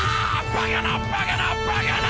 バカなバカなバカな！